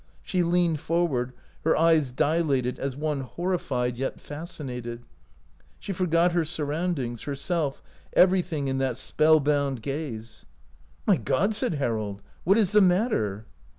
She leaned forward, her eyes dilated as one hor rified yet fascinated. She forgot her sur roundings, herself, everything in that spell bound gaze. 114 OUT OF BOHEMIA " My God !" said Harold, " what is the matter